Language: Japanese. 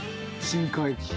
『深海』」